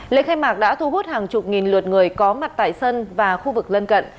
lễ khai mạc đã thu hút hàng chục nghìn lượt người có mặt tại sân và khu vực lân cận